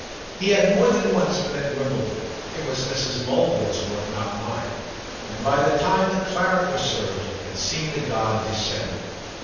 He had more than once been at Wimbledon—it was Mrs. Mulville's work not mine—and by the time the claret was served had seen the god descend.